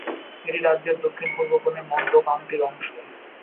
এটি রাজ্যের দক্ষিণ-পূর্ব কোণে মনরো কাউন্টির অংশ।